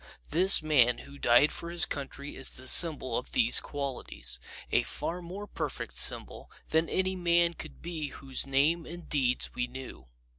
This man who died for his country is the symbol of these qualities; a far more perfect symbol than any man could be whose name and deeds we knew.